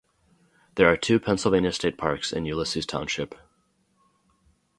There are two Pennsylvania state parks in Ulysses Township.